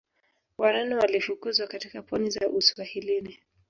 Wareno walifukuzwa katika pwani za Uswahilini